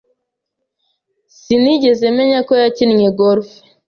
Sinigeze menya ko yakinnye golf.